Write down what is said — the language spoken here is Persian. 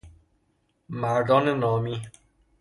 مردان نامی